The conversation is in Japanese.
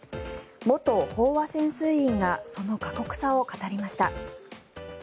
元飽和潜水員がその過酷さを語りました。